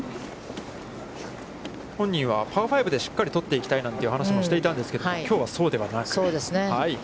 本人はパー５でしっかり取っていきたいという話もしていたんですけど、きょうはそうではなく。